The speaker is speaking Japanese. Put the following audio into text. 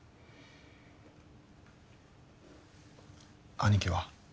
兄貴は？